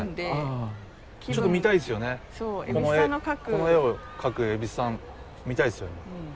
この絵を描く蛭子さん見たいですよね。